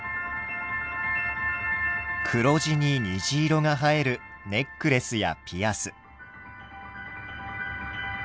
黒地に虹色が映えるネックレスやピアス。